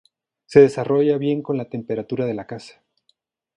Se desarrolla bien con la temperatura de la casa.